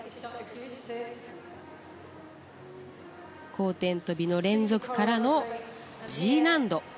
後転とびの連続からの、Ｇ難度。